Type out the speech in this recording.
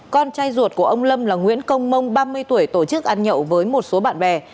con trai ruột của ông lâm là nguyễn công mông ba mươi tuổi tổ chức ăn nhậu với một số bạn bè